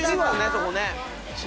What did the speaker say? そこね。